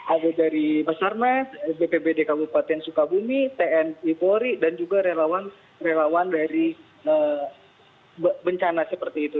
ada dari basarnas bpbd kabupaten sukabumi tni polri dan juga relawan relawan dari bencana seperti itu